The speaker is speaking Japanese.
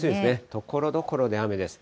ところどころで雨です。